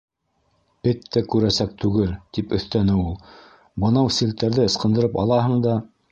— Эт тә күрәсәк түгел, - тип өҫтәне ул. - Бынау селтәрҙе ысҡындырып алаһың да...